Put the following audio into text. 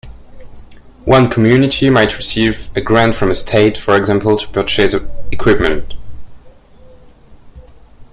One community might receive a grant from a state, for example, to purchase equipment.